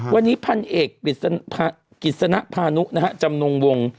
วันนี้พันธุ์เอกกิจสนภานุจำนวง